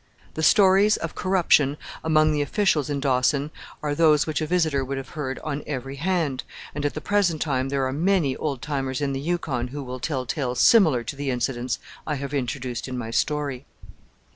The stories of corruption among the officials in Dawson are those which a visitor would have heard on every hand, and at the present time there are many old timers in the Yukon who will tell tales similar to the incidents I have introduced in my story.